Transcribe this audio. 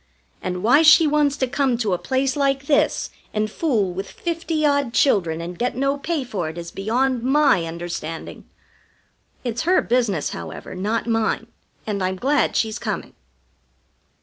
And why she wants to come to a place like this and fool with fifty odd children and get no pay for it is beyond my understanding. It's her business, however, not mine, and I'm glad she's coming."